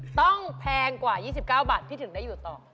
แพงกว่า๒๙บาทที่ถึงได้อยู่ต่อ